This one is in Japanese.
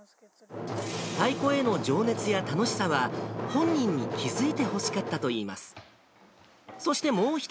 太鼓への情熱や楽しさは、本人に気付いてほしかったといいます。